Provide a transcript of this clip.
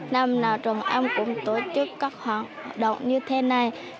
năm nào trồng em cũng tổ chức các hoạt động như thế này